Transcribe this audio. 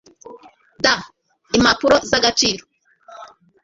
d Impapuro z agaciro